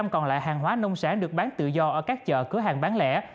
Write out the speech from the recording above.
chín mươi còn lại hàng hóa nông sản được bán tự do ở các chợ cửa hàng bán lẻ